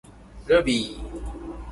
ルビー